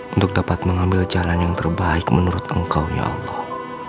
untuk dapat mengambil jalan yang terbaik menurut engkau ya allah